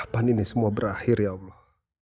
kapan ini semua berakhir ya allah